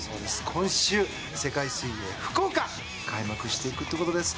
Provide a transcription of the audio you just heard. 今週、世界水泳福岡開幕していくってことです。